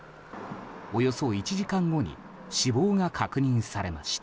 およそ１時間後に死亡が確認されました。